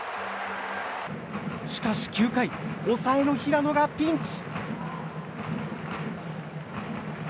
しかし９回抑えの平野がピンチ。